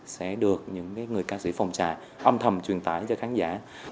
sẽ được những người ca sĩ phòng trà âm thầm truyền tải cho khán giả